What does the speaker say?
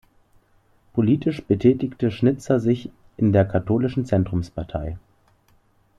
Politisch betätigte Schnitzler sich in der katholischen Zentrumspartei.